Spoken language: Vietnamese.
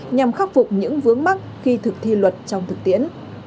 nhằm khắc phục những vướng mắt khi thực thi luật trong thực tiễn